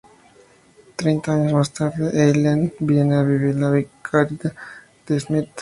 Treinta años más tarde, Eileen viene a vivir a la vicaría de Smith.